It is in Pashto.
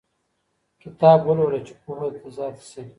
کتاب ولوله چي پوهه دې زیاته سي.